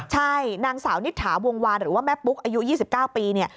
ใช่นางสาวนิษฐาวงวานหรือว่าแม่ปุ๊กอายุ๒๙ปีเนี่ย